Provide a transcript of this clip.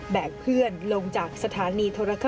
แบกเพื่อนลงจากสถานีธรรมนาคม